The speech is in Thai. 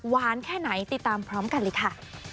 แค่ไหนติดตามพร้อมกันเลยค่ะ